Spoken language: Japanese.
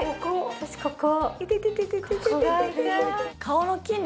私ここ。